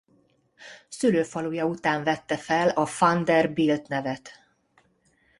Szülőfaluja után vette fel a van der Bilt nevet.